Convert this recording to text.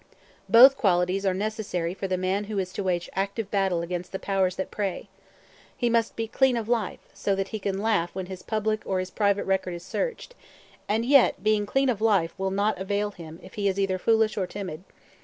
Both qualities are necessary for the man who is to wage active battle against the powers that prey. He must be clean of life, so that he can laugh when his public or his private record is searched; and yet being clean of life will not avail him if he is either foolish or timid.